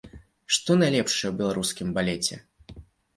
Што найлепшае ў беларускім балеце?